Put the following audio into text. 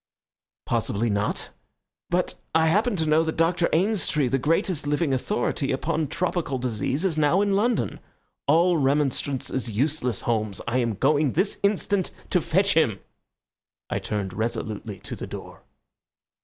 "Possibly not. But I happen to know that Dr. Ainstree, the greatest living authority upon tropical disease, is now in London. All remonstrance is useless, Holmes, I am going this instant to fetch him." I turned resolutely to the door.